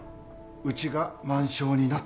うちが満床になった。